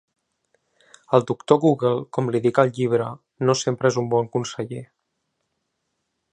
El «Doctor Google», com li dic al llibre, no sempre és un bon conseller.